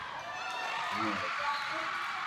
কোন উচ্চবিদ্যালয়ের নতুন ভবনের কাজ শুরু হয়ে গেছে?